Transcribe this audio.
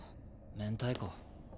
明太子。